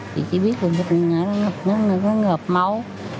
chị chỉ biết là một người nó ngợp máu